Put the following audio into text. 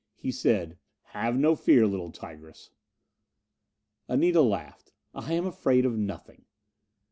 He said, "Have no fear, little tigress." Anita laughed. "I am afraid of nothing."